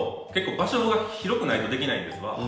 場所が広くないとできないんですわ。